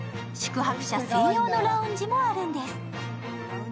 宿泊者専用のラウンジもあるんです。